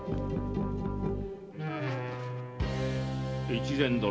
越前殿。